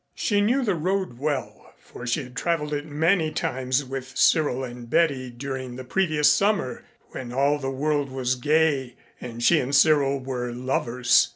She knew the road well, for she had traveled it many times with Cyril and Betty during the previous summer when all the world was gay and she and Cyril were lovers.